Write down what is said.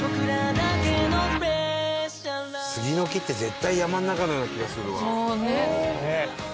杉の木って絶対山の中のような気がするわ。